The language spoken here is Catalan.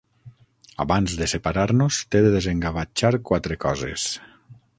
Abans de separar-nos, t'he de desengavatxar quatre coses.